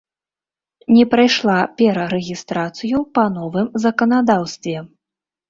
Не прайшла перарэгістрацыю па новым заканадаўстве.